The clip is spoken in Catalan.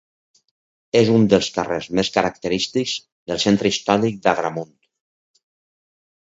És un dels carrers més característics del centre històric d'Agramunt.